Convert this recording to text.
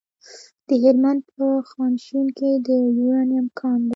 د هلمند په خانشین کې د یورانیم کان دی.